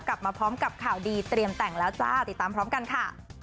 กลับมาพร้อมกับข่าวดีเตรียมแต่งแล้วจ้าติดตามพร้อมกันค่ะ